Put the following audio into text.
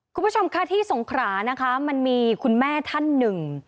คุณผู้ชมค่ะที่สงขรานะคะมันมีคุณแม่ท่านหนึ่ง